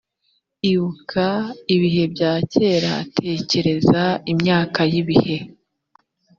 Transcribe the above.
ibuka ibihe bya kera tekereza imyaka y ibihe